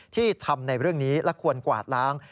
ที่ทำในเรื่องนี้และควรกวาดล้าง